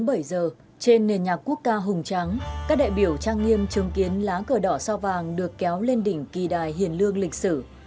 đến bảy giờ trên nền nhạc quốc ca hùng tráng các đại biểu trang nghiêm chứng kiến lá cờ đỏ sao vàng được kéo lên đỉnh kỳ đài hiền lương lịch sử